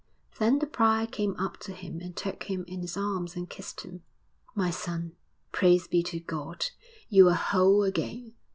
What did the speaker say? Then the prior came up to him and took him in his arms and kissed him. 'My son, praise be to God! you are whole again.'